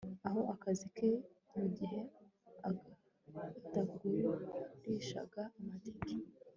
Aho akazi ke mugihe atagurishaga amatike